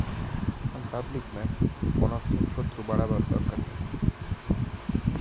এখন public man, অনর্থক শত্রু বাড়াবার দরকার নাই।